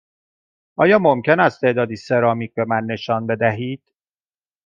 آیا ممکن است تعدادی سرامیک به من نشان بدهید؟